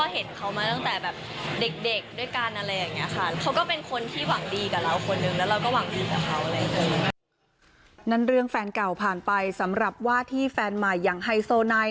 หลายคนที่ชื่นชมไปยังหนุ่มต้นอดีตแฟนเก่า